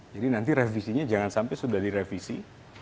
jadi nanti revisinya jangan sampai sudah direvisi